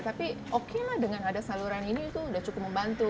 tapi oke lah dengan ada saluran ini itu udah cukup membantu